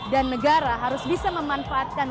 dan negara harus bisa memanfaatkan